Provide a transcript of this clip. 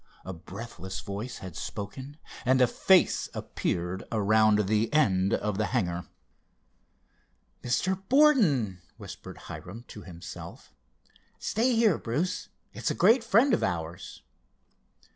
a breathless voice had spoken, and a face appeared around the end of the hangar. "Mr. Borden," whispered Hiram to himself. "Stay here Bruce. It's a great friend of ours."